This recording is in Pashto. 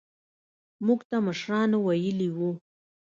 موږ ته مشرانو ويلي وو.